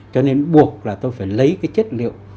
cho nên buộc là tôi phải lấy cái chất liệu